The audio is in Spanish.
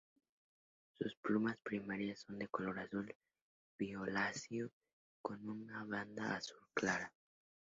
Sus plumas primarias son de color azul violáceo con una banda azul clara.